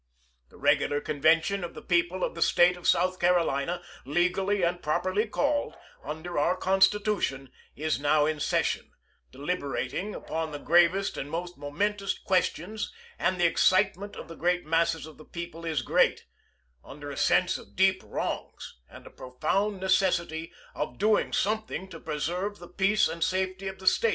The regular convention of the people of the State of South Carolina, legally and properly called, under our Constitution, is now in session, deliberating upon the gravest and most momentous questions, and the excite ment of the great masses of the people is great, under a sense of deep wrongs, and a profound necessity of doing something to preserve the peace and safety of the State.